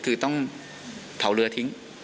คือต้องเผาเรือทิ้ง